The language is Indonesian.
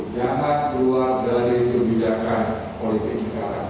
jangan keluar dari kehidupan politik negara